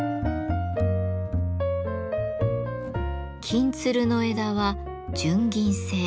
「金鶴」の枝は純銀製。